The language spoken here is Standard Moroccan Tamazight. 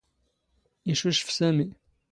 ⵉⵛⵓⵛⴼ ⵙⴰⵎⵉ.